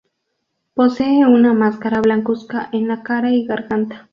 Posee una máscara blancuzca en la cara y garganta.